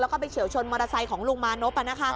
แล้วก็ไปเฉียวชนมอเตอร์ไซค์ของลุงมานพ